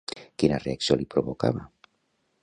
Quina reacció li provocava?